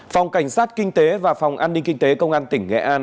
phòng cảnh sát kinh tế và phòng an ninh kinh tế công an tỉnh nghệ an